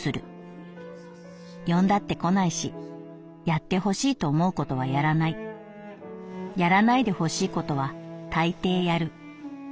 呼んだって来ないしやってほしいと思うことはやらないやらないでほしいことは大抵やる。